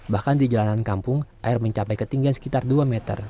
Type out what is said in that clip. bahkan di jalanan kampung air mencapai ketinggian sekitar dua meter